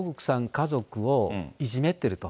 家族をいじめてると。